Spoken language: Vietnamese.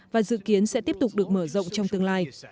và dự kiến sẽ tiếp tục được mở rộng trong tương lai